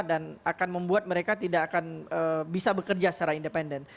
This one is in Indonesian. dan akan membuat mereka tidak akan bisa bekerja secara independen